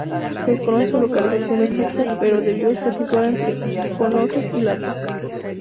Se desconoce su localización exacta pero debió estar situada entre Cnosos y Lato.